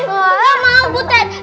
gak mau butet